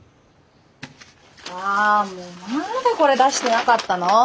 あもうまだこれ出してなかったの？